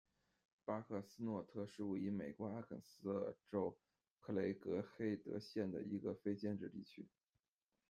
巴克斯诺特是位于美国阿肯色州克雷格黑德县的一个非建制地区。